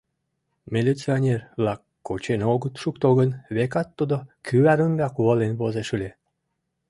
Милиционер-влак кучен огыт шукто гын, векат тудо кӱвар ӱмбак волен возеш ыле.